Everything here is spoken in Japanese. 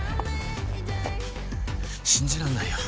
信じらんないよ。